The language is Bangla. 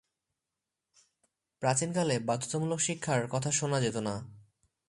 প্রাচীনকালে বাধ্যতামূলক শিক্ষার কথা শোনা যেত না।